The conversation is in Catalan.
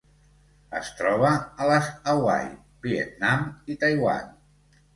Es troba a les Hawaii, Vietnam i Taiwan.